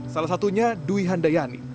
salah satunya dwi handayani